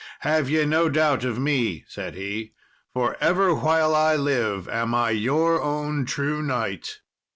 "Have ye no doubt of me," said he, "for ever while I live am I your own true knight."